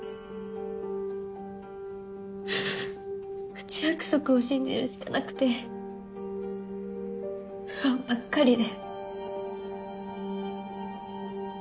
口約束を信じるしかなくて不安ばっかりで。